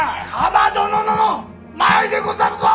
蒲殿の前でござるぞ！